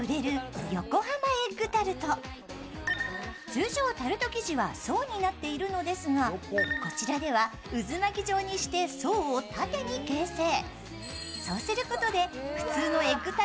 通常、タルト生地は層になっているのですがこちらでは渦巻き状にして層を縦に形成。